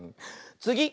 つぎ！